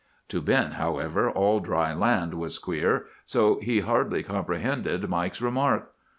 "To Ben, however, all dry land was queer. So he hardly comprehended Mike's remark.